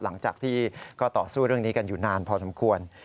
หลังจากที่ก็ต่อสู้เรื่องนี้กันอยู่นานพอสมควร